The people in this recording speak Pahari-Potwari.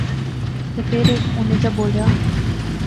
تے فیر ہیک انیں چا بولیا